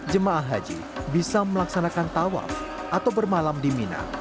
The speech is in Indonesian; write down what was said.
jemaah haji bisa melaksanakan tawaf atau bermalam di mina